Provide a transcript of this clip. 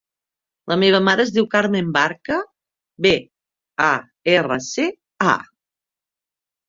La meva mare es diu Carmen Barca: be, a, erra, ce, a.